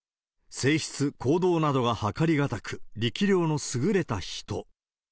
性質、行動などが測り難く、力量の優れた人。